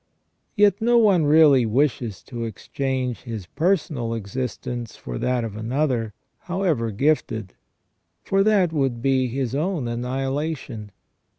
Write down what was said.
Yet no one really wishes to exchange his personal existence for that of another, however gifted, for that would be his own annihilation.